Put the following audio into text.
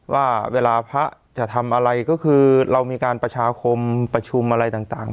ว่าเวลาพระจะทำอะไรก็คือเรามีการประชาคมประชุมอะไรต่าง